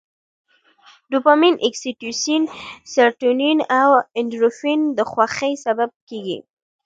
دوپامین، اکسي توسین، سروتونین او اندورفین د خوښۍ سبب کېږي.